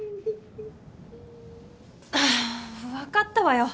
あ分かったわよ。